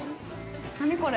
何、これ？